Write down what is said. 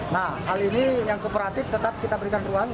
nah hal ini yang kooperatif tetap kita berikan ruang